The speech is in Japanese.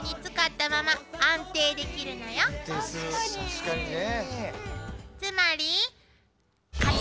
確かにね。